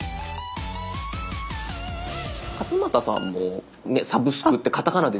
勝俣さんも「サブスク」ってカタカナで出てますんで。